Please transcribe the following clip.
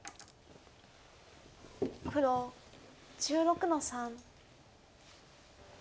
黒１６の三。